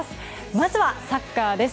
まずはサッカーです。